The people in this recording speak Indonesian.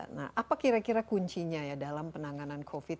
nah apa kira kira kuncinya ya dalam penanganan covid sembilan